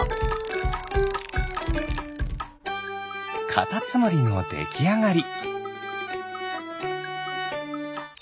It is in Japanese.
カタツムリのできあがり。